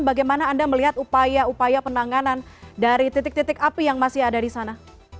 bagaimana anda melihat upaya upaya penanganan dari titik titik api yang masih ada di sana